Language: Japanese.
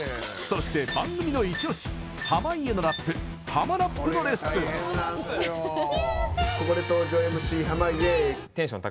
そして、番組のイチオシ濱家のラップハマラップのレッスン！